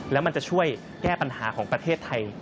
แล้วมันจะช่วยแก้ปัญหาของประเทศไทย